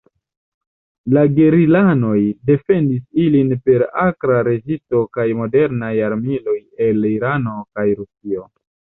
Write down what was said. La gerilanoj defendis ilin per akra rezisto kaj modernaj armiloj el Irano kaj Rusio.